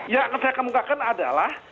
ya saya kemungkakan adalah